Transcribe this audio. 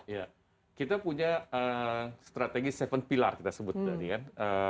ya kita punya strategi tujuh pilar kita sebut tadi kan